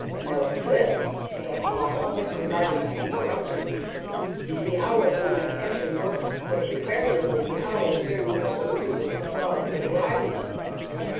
"Note this," said Hall, disregarding my interruption, "the hours when the engine worked were invariably the hours during which the moon was above the horizon!"